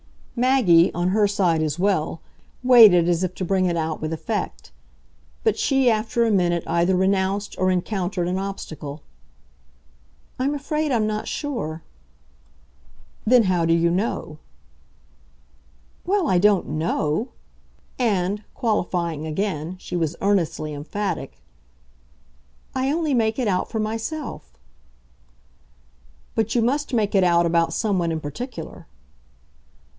Maggie, on her side as well, waited as if to bring it out with effect; but she after a minute either renounced or encountered an obstacle. "I'm afraid I'm not sure." "Then how do you know?" "Well, I don't KNOW" and, qualifying again, she was earnestly emphatic. "I only make it out for myself." "But you must make it out about someone in particular."